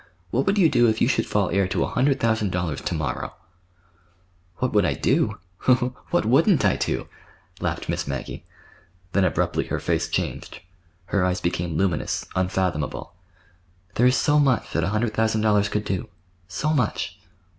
"What would you do if you should fall heir to a hundred thousand dollars—to morrow?" "What would I do? What wouldn't I do?" laughed Miss Maggie. Then abruptly her face changed. Her eyes became luminous, unfathomable. "There is so much that a hundred thousand dollars could do—so much!